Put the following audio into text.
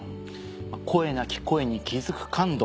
声なき声に気付く感度